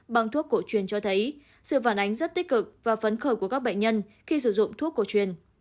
bằng thuốc cổ truyền cho thấy sự phản ánh rất tích cực và phấn khởi của các bệnh nhân khi sử dụng thuốc cổ truyền